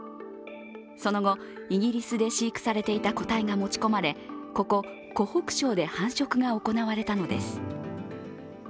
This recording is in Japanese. その後、イギリスで飼育されていた個体が持ち込まれここ湖北省で繁殖が行われたのです。